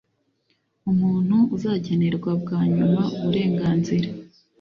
Umuntu uzagenerwa bwa nyuma uburenganzira